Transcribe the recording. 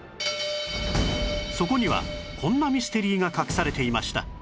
そこにはこんなミステリーが隠されていました